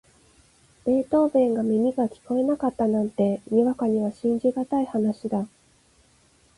ベートーヴェンが耳が聞こえなかったなんて、にわかには信じがたい話だ。